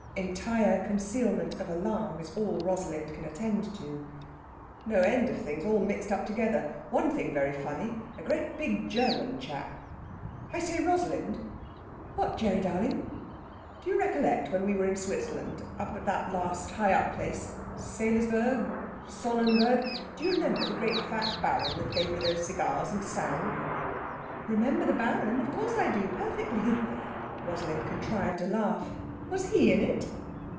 Entire concealment of alarm is all Rosalind can attend to. "No end of things, all mixed up together. One thing very funny. A great big German chap.... I say, Rosalind!" "What, Gerry darling?" "Do you recollect, when we were in Switzerland, up at that last high up place, Seelisberg Sonnenberg do you remember the great fat Baron that gave me those cigars, and sang?" "Remember the Baron? Of course I do. Perfectly!" Rosalind contrived a laugh. "Was he in it?"